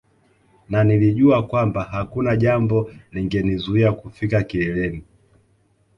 Na nilijua kwamba hakuna jambo lingenizuia kufika kileleni